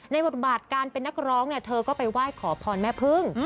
บทบาทการเป็นนักร้องเนี่ยเธอก็ไปไหว้ขอพรแม่พึ่ง